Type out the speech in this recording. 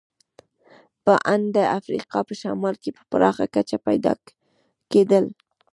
په ان د افریقا په شمال کې په پراخه کچه پیدا کېدل.